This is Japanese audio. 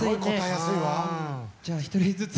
じゃあ１人ずつ。